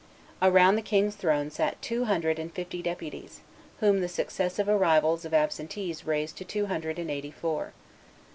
Around the king's throne sat two hundred and fifty deputies, whom the successive arrivals of absentees raised to two hundred and eighty four.